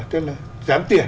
tên là giám tiền